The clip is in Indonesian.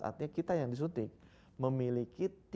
artinya kita yang disuntik memiliki